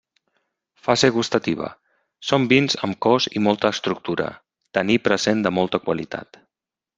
Fase gustativa: són vins amb cos i molta estructura, taní present de molta qualitat.